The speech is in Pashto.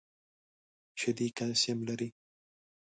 شیدې کلسیم لري .